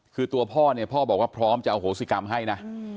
คือตัวพ่อเนี่ยพ่อบอกว่าพร้อมจะอโหสิกรรมให้นะ